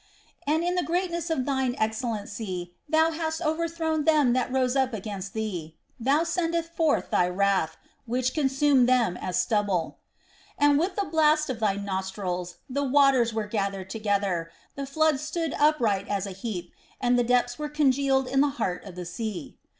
"And in the greatness of thine excellency thou hast overthrown them that rose up against thee: thou sentest forth thy wrath, which consumed them as stubble. "And with the blast of thy nostrils the waters were gathered together, the floods stood upright as an heap, and the depths were congealed in the heart of the sea.